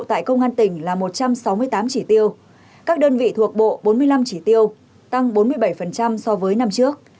tại công an tỉnh là một trăm sáu mươi tám chỉ tiêu các đơn vị thuộc bộ bốn mươi năm chỉ tiêu tăng bốn mươi bảy so với năm trước